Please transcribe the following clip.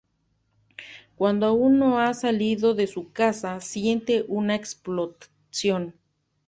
Cuando aún no ha salido de su casa, siente una explosión.